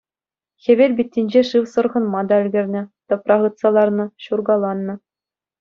Хӗвел питтинче шыв сӑрхӑнма та ӗлкӗрнӗ, тӑпра хытса ларнӑ, ҫуркаланнӑ.